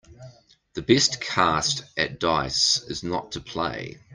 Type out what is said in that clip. The best cast at dice is not to play.